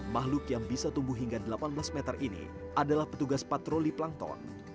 makhluk yang bisa tumbuh hingga delapan belas meter ini adalah petugas patroli plankton